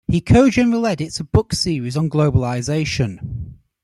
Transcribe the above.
He co-general-edits a book series on globalization.